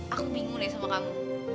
aku bingung ya sama kamu